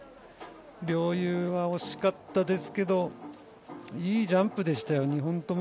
陵侑は惜しかったですがいいジャンプでしたよね。